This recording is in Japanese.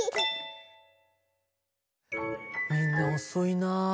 みんなおそいな。